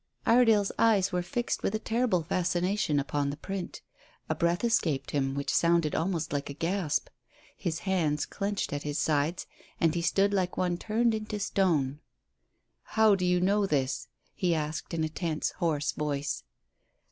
Iredale's eyes were fixed with a terrible fascination upon the print. A breath escaped him which sounded almost like a gasp. His hands clenched at his sides, and he stood like one turned into stone. "How how do you know this?" he asked, in a tense, hoarse voice.